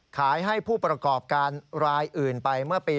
ให้ผู้ประกอบการรายอื่นไปเมื่อปี๒๕